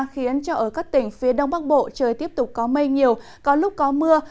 khiến cho ở các tỉnh phía đông bắc bộ trời tiếp tục có mây nhiều có lúc có mưa